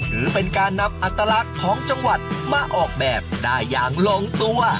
ถือเป็นการนำอัตลักษณ์ของจังหวัดมาออกแบบได้อย่างลงตัว